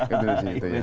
itu di situ ya